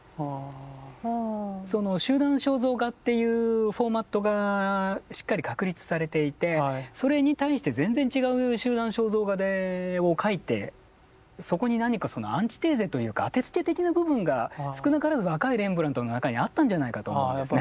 その集団肖像画っていうフォーマットがしっかり確立されていてそれに対して全然違う集団肖像画を描いてそこに何かアンチテーゼというか当てつけ的な部分が少なからず若いレンブラントの中にあったんじゃないかと思うんですね。